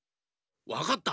わかった。